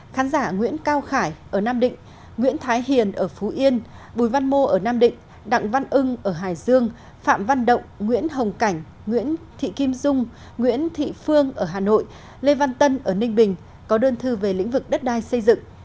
khán giả nguyễn cao khải ở nam định nguyễn thái hiền ở phú yên bùi văn mô ở nam định đặng văn ưng ở hải dương phạm văn động nguyễn hồng cảnh nguyễn thị kim dung nguyễn thị phương ở hà nội lê văn tân ở ninh bình có đơn thư về lĩnh vực đất đai xây dựng